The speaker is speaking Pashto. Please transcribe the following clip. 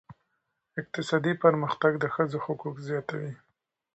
اقتصادي پرمختګ د ښځو حقوق زیاتوي.